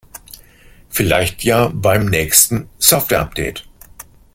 Vielleicht ja beim nächsten Softwareupdate.